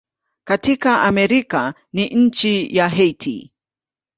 Katika Amerika ni nchi ya Haiti.